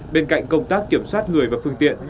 bên cạnh công tác kiểm soát người và phương tiện